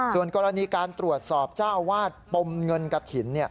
ส่วนกรณีการตรวจสอบเจ้าอาวาสปมเงินกระถิ่น